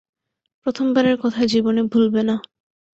প্রথমবারের কথা জীবনে ভুলবে না।